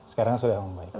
sekarang sudah membaik